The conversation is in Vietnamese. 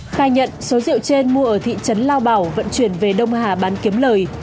khai nhận số rượu trên mua ở thị trấn lao bảo vận chuyển về đông hà bán kiếm lời